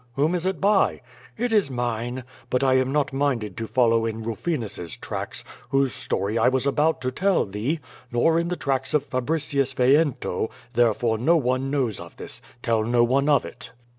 Whom is it by?" "It is mine. But I am not minded to follow in llufRnus's tracks, whose story I was about to tell thee; nor in the tracks of Fabricus Veiento, therefore no one knows of this. Tell no one of it."